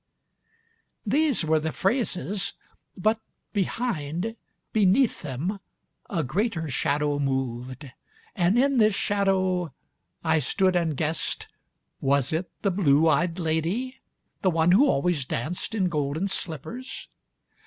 .' These were the phrases; but behind, beneath them, A greater shadow moved, and in this shadow I stood and guessed Was it the blue eyed lady? The one who always danced in golden slippers?